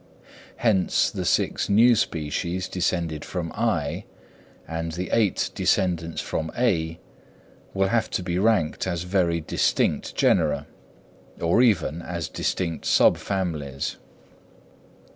Hence the six new species descended from (I), and the eight descendants from (A), will have to be ranked as very distinct genera, or even as distinct sub families.